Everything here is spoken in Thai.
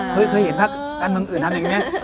เคยเห็นภาคอันเมืองอื่นทำอย่างนี้